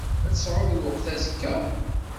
Ad tesεuḍ lweqt azekka?